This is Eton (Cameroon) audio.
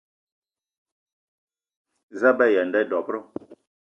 Za a be aya a nda dob-ro?